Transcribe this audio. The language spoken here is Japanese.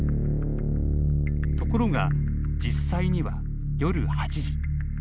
ところが、実際には、夜８時。